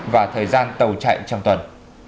và thời gian tàu chạy trong tuần